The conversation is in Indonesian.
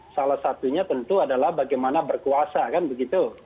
salah satunya tentu adalah bagaimana berkuasa kan begitu